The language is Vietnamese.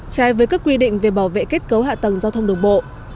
trái với các quy định về bảo vệ kết cấu hạ tầng giao thông đường bộ